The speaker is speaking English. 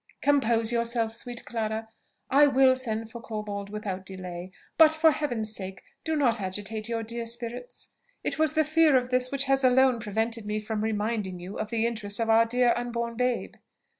"Compose yourself, sweet Clara! I will send for Corbold without delay. But for Heaven's sale do not agitate your dear spirits! it was the fear of this which has alone prevented me from reminding you of the interest of our dear unborn babe."